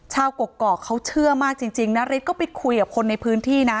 กกอกเขาเชื่อมากจริงนาริสก็ไปคุยกับคนในพื้นที่นะ